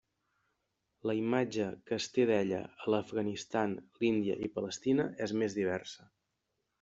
La imatge que es té d'ella a l'Afganistan, l'Índia i Palestina, és més diversa.